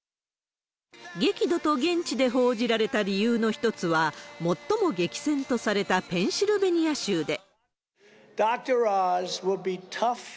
激怒と現地で報じられた理由の一つは、最も激戦とされたペンシルベニア州で。